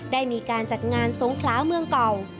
ได้มีการจัดงานสงขลาเมืองเก่า